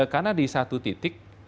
karena di satu titik